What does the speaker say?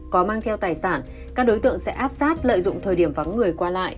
có mang theo tài sản các đối tượng sẽ áp sát lợi dụng thời điểm vắng người qua lại